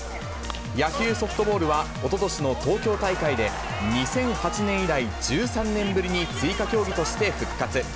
野球・ソフトボールは、おととしの東京大会で、２００８年以来、１３年ぶりに追加競技として復活。